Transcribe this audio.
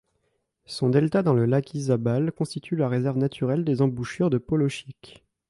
Son delta dans le lac Izabal constitue la réserve naturelle des embouchures de Polochic.